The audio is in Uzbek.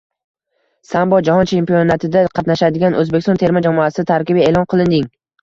Sambo: Jahon chempionatida qatnashadigan O‘zbekiston terma jamoasi tarkibi e’lon qilinding